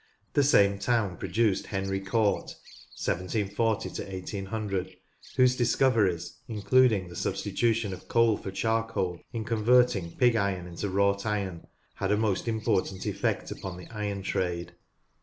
The same town produced Henry Cort (1 740 1800) whose discoveries, including the substitution of coal for charcoal in converting pig iron into wrought iron, had a most important effect upon* the iron trade.